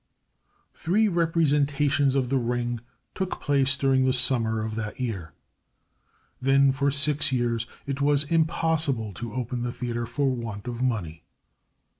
Three representations of the Ring took place during the summer of that year. Then for six years it was impossible to open the theater for want of money.